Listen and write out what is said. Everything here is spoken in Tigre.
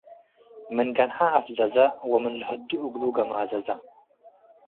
ምን ገንሐ አፋዘዘ ወምን ለሀዱ እግሉ ገማዘዘ።